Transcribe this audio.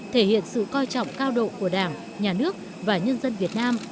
thể hiện sự coi trọng cao độ của đảng nhà nước và nhân dân việt nam